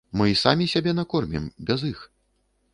Мы і самі сябе накормім, без іх.